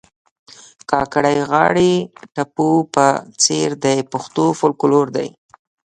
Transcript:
کاکړۍ غاړي ټپو په څېر د پښتو فولکور دي